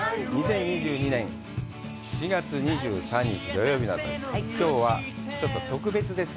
２０２２年７月２３日土曜日の朝です。